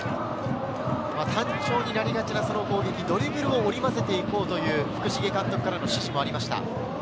単調になりがちな攻撃、ドリブルを折り混ぜていこうという福重監督からの指示もありました。